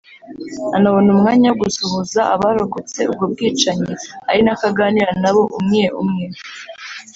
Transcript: anabona umwanya wo gusuhuza abarokotse ubwo bwicanyi ari nako aganira nabo umwe umwe